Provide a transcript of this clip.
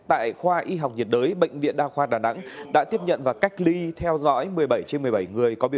tại khoa y học nhiệt đới bệnh viện đa khoa đà nẵng đã tiếp nhận và cách ly theo dõi một mươi bảy trên một mươi bảy người có biểu